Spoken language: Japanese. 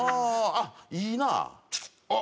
あっいいなあ。